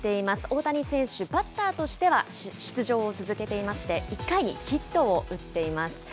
大谷選手、バッターとしては出場を続けていまして、１回にヒットを打っています。